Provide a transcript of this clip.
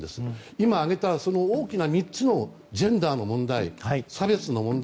今、挙げた３つのジェンダーの問題差別の問題。